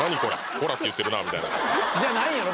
「コラ」って言ってるなみたいなじゃないんやろ？